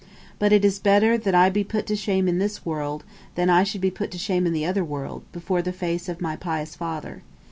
But it is better that I be put to shame in this world than I should be put to shame in the other world, before the face of my pious father.